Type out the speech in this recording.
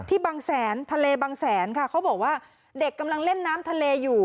บางแสนทะเลบางแสนค่ะเขาบอกว่าเด็กกำลังเล่นน้ำทะเลอยู่